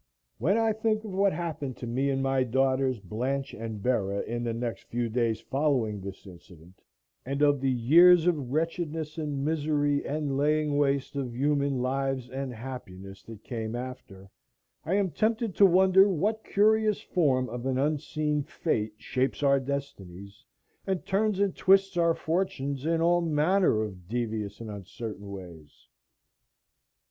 When I think of what happened to me and my daughters, Blanche and Bera, in the next few days following this incident, and of the years of wretchedness and misery and laying waste of human lives and happiness that came after, I am tempted to wonder what curious form of an unseen fate shapes our destinies and turns and twists our fortunes in all manner of devious and uncertain ways.